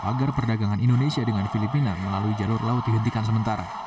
agar perdagangan indonesia dengan filipina melalui jalur laut dihentikan sementara